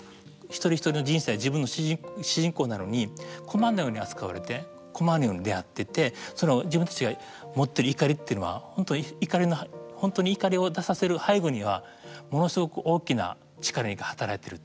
一人一人の人生自分主人公なのに駒のように扱われて駒のように出会っててそれを自分たちが持ってる怒りっていうのは本当に怒りを出させる背後にはものすごく大きな力が働いてるという。